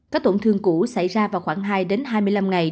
các tổn thương cũ xảy ra vào khoảng hai hai mươi năm ngày